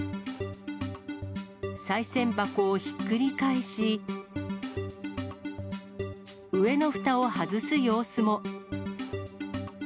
さい銭箱をひっくり返し、上のふたを外す様子も。